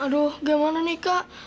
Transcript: aduh gimana nih kak